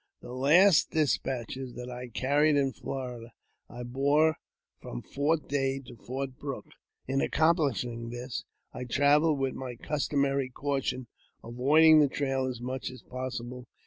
The last despatches that I carried in Florida I bore from ^Fort Dade to Fort Brooke. In accomplishing this, I travelled rith my customary caution, avoiding the trail as much as pos ible.